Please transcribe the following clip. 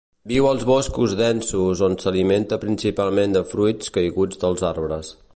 Viu als boscos densos, on s'alimenta principalment de fruits caiguts dels arbres.